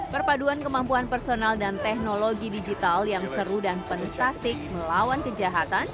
perpaduan kemampuan personal dan teknologi digital yang seru dan pentaktik melawan kejahatan